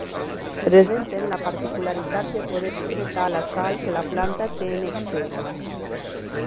Presenten la particularitat de poder excretar la sal que la planta té en excés.